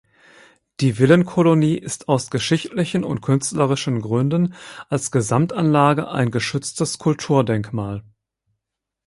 Die Villenkolonie ist aus „geschichtlichen und künstlerischen Gründen“ als Gesamtanlage ein geschütztes Kulturdenkmal.